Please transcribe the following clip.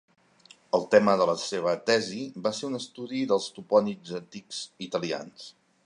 El tema de la seva tesi va ser un estudi dels topònims antics italians.